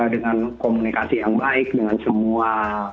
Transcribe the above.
dengan komunikasi yang baik dengan semua